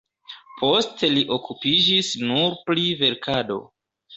Poste li okupiĝis nur pri verkado.